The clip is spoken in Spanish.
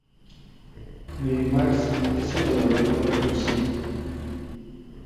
Minimax es un algoritmo recursivo.